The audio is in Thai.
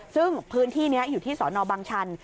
ซึ่งพื้นที่นี้อยู่ที่สอนอบังชัน